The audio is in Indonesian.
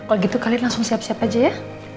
kalau gitu kalian langsung siap siap aja ya